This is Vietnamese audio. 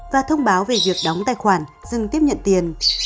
và thông báo về việc đóng tài khoản dừng tiếp nhận tiền